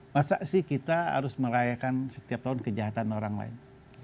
masa sih kita harus merayakan setiap tahun kejahatan orang lain